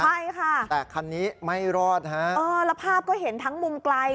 ใช่ค่ะแต่คันนี้ไม่รอดฮะเออแล้วภาพก็เห็นทั้งมุมไกล